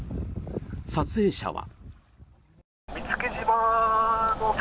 撮影者は。